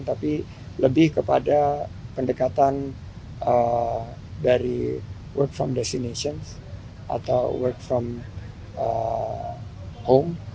tapi lebih kepada pendekatan dari work from destination atau work from home